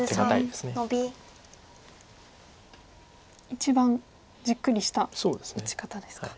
一番じっくりした打ち方ですか。